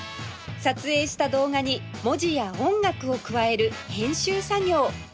撮影した動画に文字や音楽を加える編集作業